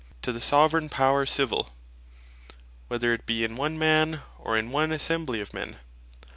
to the Soveraign Power Civill, whether it be in one Man, or in one Assembly of men.